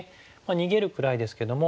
逃げるくらいですけども。